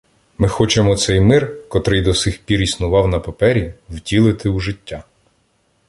Ми хочемо цей мир, котрий до сих пір існував на папері, втілити у життя.